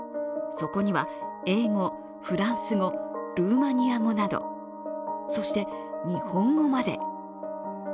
そこには英語、フランス語ルーマニア語などそして日本語まで。